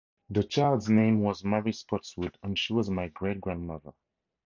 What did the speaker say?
The child's name was Mary Spottswood and she was my Great Grandmother.